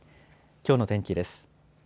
きょうの天気です。